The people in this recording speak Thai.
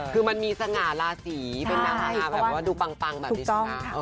คือมันมีสง่าราศีเป็นนางงามดูปังแบบดิฉันน้ำ